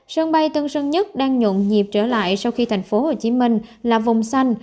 sân bay tân sơn nhất đang nhộn nhịp trở lại sau khi tp hcm là vùng xanh